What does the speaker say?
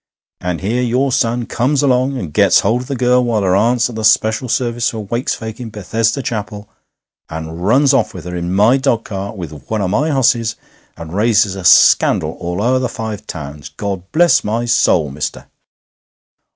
And here your son comes along and gets hold of the girl while her aunt's at the special service for Wakes folks in Bethesda Chapel, and runs off with her in my dogcart with one of my hosses, and raises a scandal all o'er the Five Towns. God bless my soul, mister!